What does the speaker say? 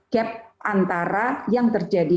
gap antara yang terjadi